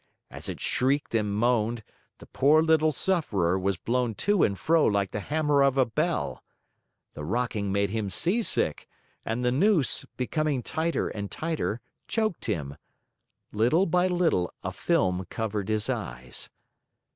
As it shrieked and moaned, the poor little sufferer was blown to and fro like the hammer of a bell. The rocking made him seasick and the noose, becoming tighter and tighter, choked him. Little by little a film covered his eyes.